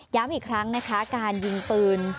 อีกครั้งนะคะการยิงปืน